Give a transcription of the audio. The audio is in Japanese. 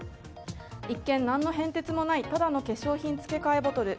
一見、何の変哲もないただの化粧品付け替えボトル。